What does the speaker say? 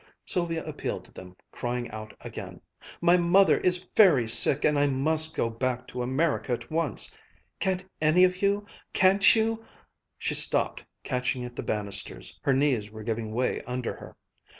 Sylvia appealed to them, crying out again, "My mother is very sick and I must go back to America at once. Can't any of you can't you ?" she stopped, catching at the banisters. Her knees were giving way under her.